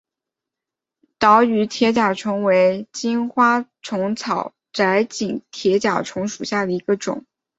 岛屿铁甲虫为金花虫科窄颈铁甲虫属下的一个种。